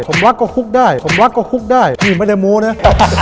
สมวักก็คุกได้สมวักก็คุกได้สมวักก็คุกได้นี่ไม่ได้โม้เนี่ย